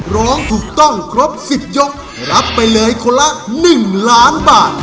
ร้องถูกต้องครบ๑๐ยกรับไปเลยคนละ๑ล้านบาท